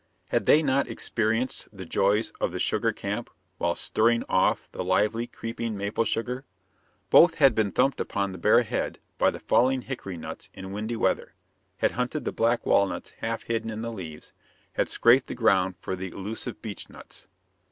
Had they not experienced the joys of the sugar camp while "stirring off" the lively, creeping maple sugar? Both had been thumped upon the bare head by the falling hickory nuts in windy weather; had hunted the black walnuts half hidden in the leaves; had scraped the ground for the elusive beechnuts.